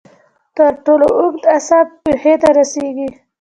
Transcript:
تر ټولو اوږد اعصاب پښې ته رسېږي.